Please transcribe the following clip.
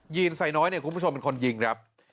ีนไซน้อยเนี่ยคุณผู้ชมเป็นคนยิงครับ